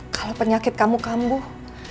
kalau penyakit kamu kambuh